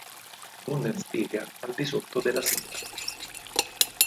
Bundesliga" al di sotto della sigla.